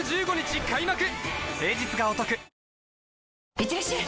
いってらっしゃい！